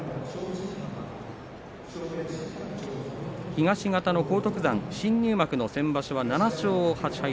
東方の荒篤山、新入幕の先場所は７勝８敗